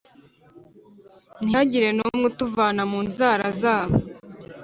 ntihagire n’umwe utuvana mu nzara zabo.